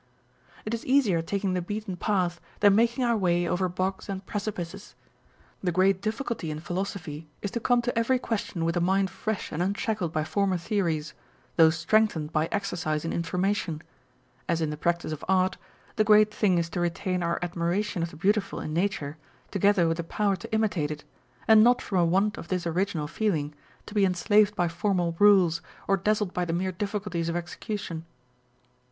It is easier taking the beaten path than making our way over bogs and precipices. The great difficulty in philosophy is to come to every question with a mind fresh and unshackled by former theories, though strengthened by exercise and information ; as in the practice of art, the great thing is to retain our admiration of the beautiful in nature, together with the power to imitate it, and not from a want of this original feeling, to be enslaved by formal rules, or dazzled by the mere difficulties of execution.